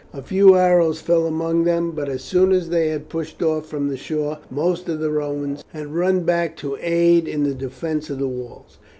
A few arrows fell among them, but as soon as they had pushed off from the shore most of the Romans had run back to aid in the defence of the walls.